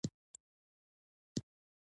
له ګډ تخیل پرته دا نظم شونی نه و.